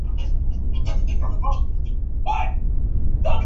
棉毛黄耆是豆科黄芪属的植物。